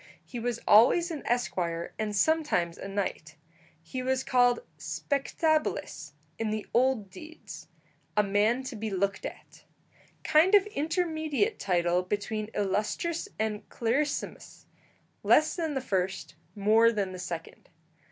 He was always an esquire, and sometimes a knight. He was called spectabilis in the old deeds, "a man to be looked at" kind of intermediate title between illustris and clarissimus; less than the first, more than the second.